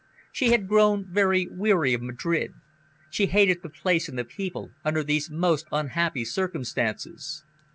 She had grown very weary of Madrid. She hated the place and the people, under these most unhappy circumstances.